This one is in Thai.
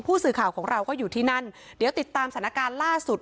ผู้สื่อข่าวของเราก็อยู่ที่นั่นเดี๋ยวติดตามสถานการณ์ล่าสุด